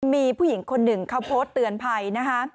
มีผู้หญิงคนหนึ่งเขาโพสต์เตือนภัยนะคะ